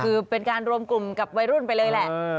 คือเป็นการรวมกลุ่มกับวัยรุ่นไปเลยแหละ